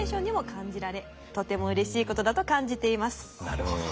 なるほど。